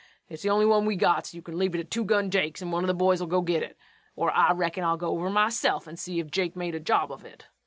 It's the only one we got, so yu can leave it at Two Gun Jake's, and one o' the boys'll go git it, or I reckon I'll go over myself and see if Jake made a job of it.